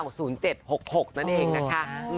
ก็คือ๐๙๐๗๖๖นั่นเองนะคะ